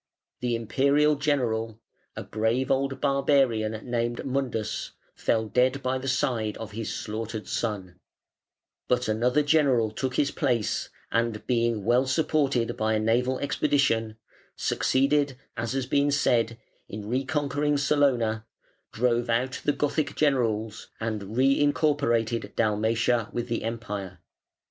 The Imperial general, a brave old barbarian named Mundus, fell dead by the side of his slaughtered son; but another general took his place, and being well supported by a naval expedition, succeeded, as has been said, in reconquering Salona, drove out the Gothic generals, and reincorporated Dalmatia with the Empire.